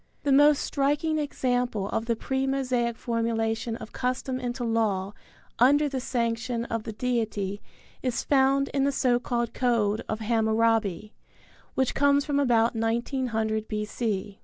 The most striking example of the pre Mosaic formulation of custom into law under the sanction of the deity is found in the so called code of Hammurabi, which comes from about 1900 B.C.